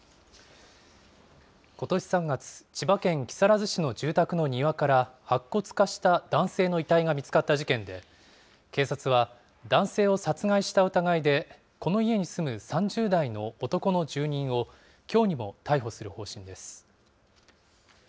ことし３月、千葉県木更津市の住宅の庭から白骨化した男性の遺体が見つかった事件で、警察は男性を殺害した疑いで、この家に住む３０代の男の住人をきょうにも逮捕する方針です。